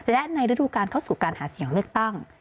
และในฤดูการเข้าสู่การหาเสียงเลือกตั้ง